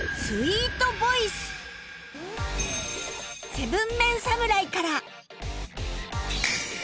７ＭＥＮ 侍から